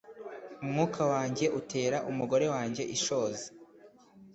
umwuka wanjye utera umugore wanjye ishozi